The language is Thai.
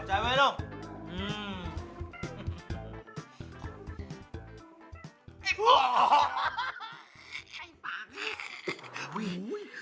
โชคดี